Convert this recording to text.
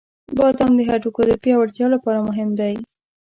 • بادام د هډوکو د پیاوړتیا لپاره مهم دی.